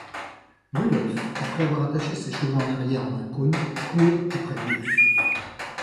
Rudolf, après avoir attaché ses cheveux en arrière en un cône, court après Bugs.